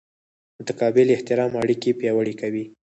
متقابل احترام اړیکې پیاوړې کوي.